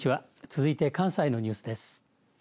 続いて関西のニュースです。